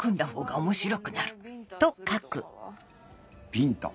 ビンタ？